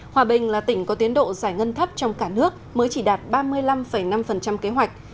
hòa bình là tỉnh có tiến độ giải ngân thấp trong cả nước mới chỉ đạt ba mươi năm năm kế hoạch